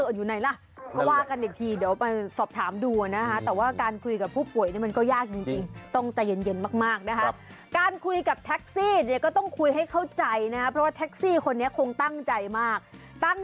เดี๋ยวเอามีดโกนออกก่อน